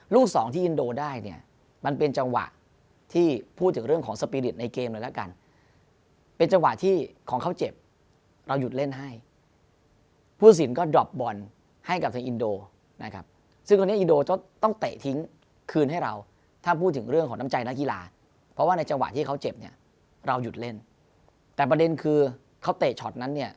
สองที่อินโดได้เนี่ยมันเป็นจังหวะที่พูดถึงเรื่องของสปีริตในเกมเลยละกันเป็นจังหวะที่ของเขาเจ็บเราหยุดเล่นให้ผู้สินก็ดรอปบอลให้กับทางอินโดนะครับซึ่งตรงนี้อินโดจะต้องเตะทิ้งคืนให้เราถ้าพูดถึงเรื่องของน้ำใจนักกีฬาเพราะว่าในจังหวะที่เขาเจ็บเนี่ยเราหยุดเล่นแต่ประเด็นคือเขาเตะช็อตนั้นเนี่ย